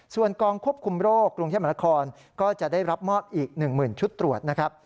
ส่วนกองควบคุมโรคกรุงเทพมหานครก็จะได้รับมอบอีก๑๐๐๐ชุดตรวจนะครับ